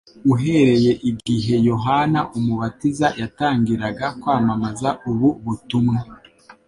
uhereye igihe Yohana Umubatiza yatangiraga kwamamaza ubu butumwa